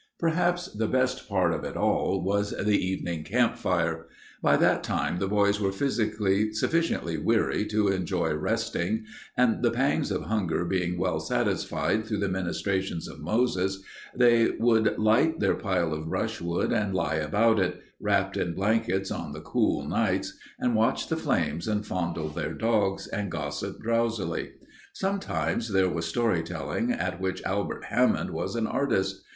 Perhaps the best part of it all was the evening campfire. By that time the boys were physically sufficiently weary to enjoy resting, and, the pangs of hunger being well satisfied through the ministrations of Moses, they would light their pile of brushwood and lie about it, wrapped in blankets on the cool nights, and watch the flames and fondle their dogs, and gossip drowsily. Sometimes there was story telling, at which Albert Hammond was an artist.